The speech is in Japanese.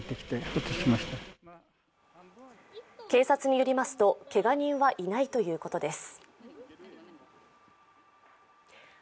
警察によりますとけが人はいないということです。